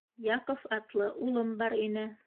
— Яков атлы улым бар ине.